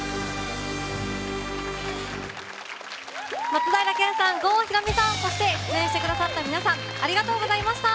松平健さん、郷ひろみさんそして出演してくださった皆さんありがとうございました。